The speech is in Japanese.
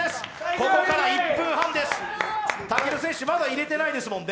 ここから１分半です、武尊選手、まだ入れてないですもんね？